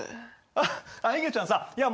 あっいげちゃんさいや